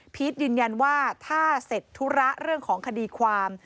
ยืนยันว่าถ้าเสร็จธุระเรื่องของคดีความ